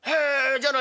じゃあ何？